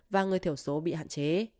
và người thiểu số bị hạn chế